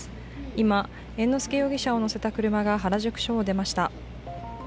今、猿之助容疑者を乗せた車が原宿署を出ました。